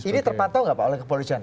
ini terpatau gak pak oleh kepolisian